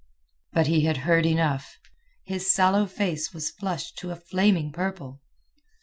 But he had heard enough. His sallow face was flushed to a flaming purple.